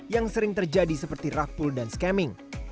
yang sering terjadi seperti rug pull dan scamming